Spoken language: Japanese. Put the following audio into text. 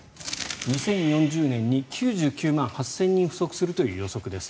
２０４０年に９９万８０００人不足するという予測です。